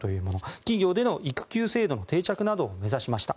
企業での育休制度の定着などを目指しました。